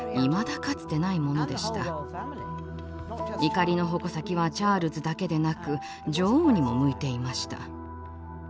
怒りの矛先はチャールズだけでなく女王にも向いていました。